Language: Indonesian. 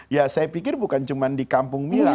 ya saya pikir bukan cuma di kampung mila